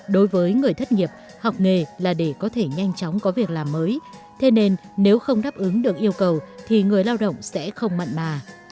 đối với người thất nghiệp học nghề là để có thể nhanh chóng có việc làm mới thế nên nếu không đáp ứng được yêu cầu thì người lao động sẽ không mặn mà